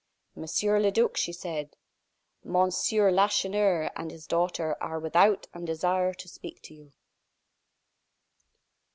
"Monsieur le Duc," said she, "Monsieur Lacheneur and his daughter are without and desire to speak to you."